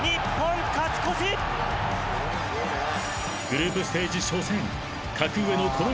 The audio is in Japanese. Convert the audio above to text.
［グループステージ初戦］